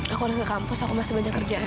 aku datang ke kampus aku masih banyak kerjaan